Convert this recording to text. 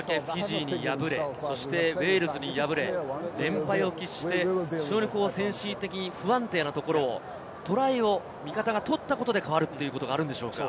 それだけフィジーに敗れウェールズに敗れ、連敗を期して非常に精神的に不安定なところをトライを味方が取ったことで変わるということがあるんでしょうか。